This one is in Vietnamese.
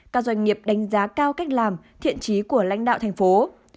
các doanh nghiệp đánh giá cao cách làm thiện trí của lãnh đạo tp hcm